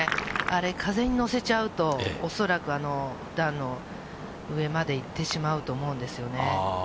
あれ、風に乗せちゃうと、恐らく段の上まで行ってしまうと思うんですよね。